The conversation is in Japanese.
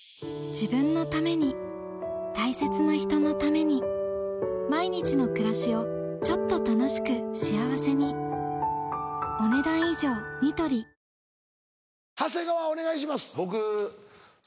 自分のために大切な人のために毎日の暮らしをちょっと楽しく幸せに長谷川お願いします。